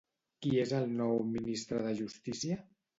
Qui és el nou ministre de Justícia?